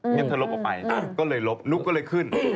นี่เธอลบออกไปก็เลยลบรูปก็เลยขึ้น